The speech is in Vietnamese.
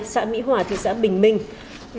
xã mỹ hòa thị xã bình minh